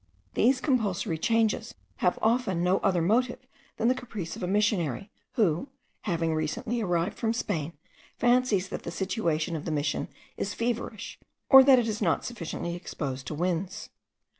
These compulsory changes have often no other motive than the caprice of a missionary, who, having recently arrived from Spain, fancies that the situation of the Mission is feverish, or that it is not sufficiently exposed to the winds.